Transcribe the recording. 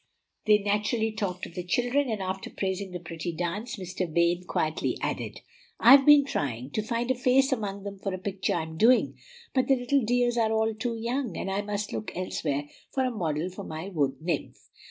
They naturally talked of the children, and after praising the pretty dance Mr. Vane quietly added, "I've been trying to find a face among them for a picture I'm doing; but the little dears are all too young, and I must look elsewhere for a model for my wood nymph."